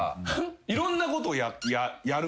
いろんなことをやるんすよ。